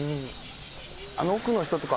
あの奥の人とか。